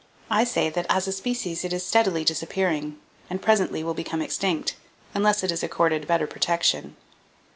I say that as a species it is steadily disappearing, and presently will become extinct, unless it is accorded better protection.